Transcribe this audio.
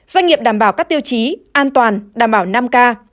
doanh nghiệp đảm bảo các tiêu chí an toàn đảm bảo năm k